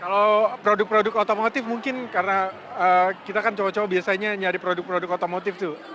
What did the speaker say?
kalau produk produk otomotif mungkin karena kita kan cowok cowok biasanya nyari produk produk otomotif tuh